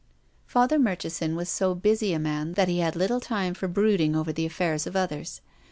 Father Murchison was so busy a man that he had little time for brooding over the affairs of others.